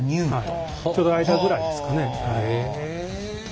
ちょうど間ぐらいですかね。